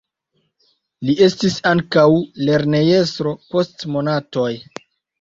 Li estis ankaŭ lernejestro post monatoj.